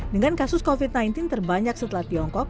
dengan kasus covid sembilan belas terbanyak setelah tiongkok